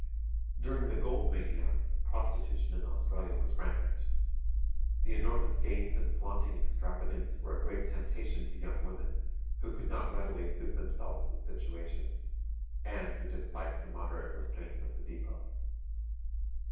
During the gold mania, prostitution in Australia was rampant. The enormous gains and flaunting extravagance were a great temptation to young women who could not readily suit themselves with situations, and who disliked the moderate restraints of the depôt.